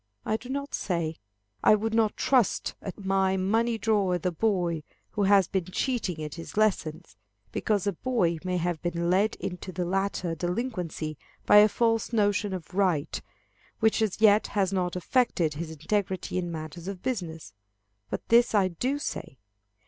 I do not say, I would not trust at my money drawer the boy who has been cheating at his lessons, because a boy may have been led into the latter delinquency by a false notion of right, which as yet has not affected his integrity in matters of business. But this I do say.